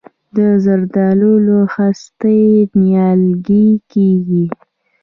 د زردالو له خستې نیالګی کیږي؟